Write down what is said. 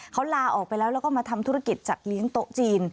เขาลาออกไปแล้วแล้วก็มาทำธุรกิจจัดเลี้ยงโต๊ะจีน